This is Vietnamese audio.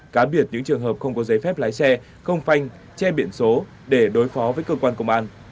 cá biệt những trường hợp không có giấy phép lái xe không phanh che biển số để đối phó với cơ quan công an